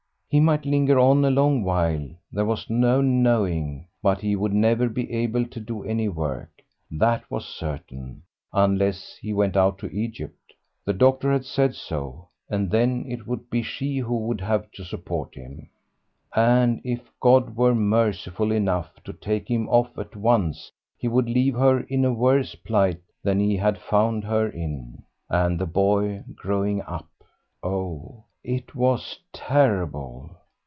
He might linger on a long while there was no knowing, but he would never be able to do any work, that was certain (unless he went out to Egypt); the doctor had said so, and then it would be she who would have to support him. And if God were merciful enough to take him off at once he would leave her in a worse plight than he had found her in, and the boy growing up! Oh, it was terrible!